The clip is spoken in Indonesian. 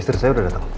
istri saya udah datang